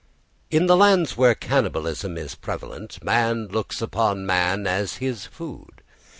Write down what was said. In the lands where cannibalism is prevalent man looks upon man as his food.